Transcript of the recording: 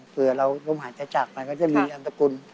เผื่อเราหลงหันจากจากไปก็จะมีนามสกุล